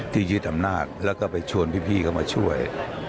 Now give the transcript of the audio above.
ยึดอำนาจแล้วก็ไปชวนพี่เขามาช่วย